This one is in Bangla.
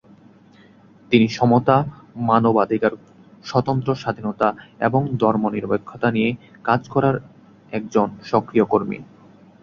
তিনি সমতা, মানবাধিকার, স্বতন্ত্র স্বাধীনতা এবং ধর্মনিরপেক্ষতা নিয়ে কাজ করার একজন সক্রিয় কর্মী।